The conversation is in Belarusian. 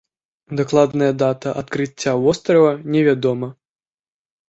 Дакладная дата адкрыцця вострава не вядома.